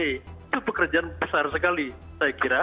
itu pekerjaan besar sekali saya kira